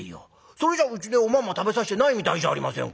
それじゃうちでおまんま食べさせてないみたいじゃありませんか」。